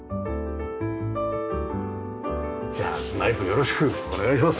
じゃあ内部よろしくお願いします。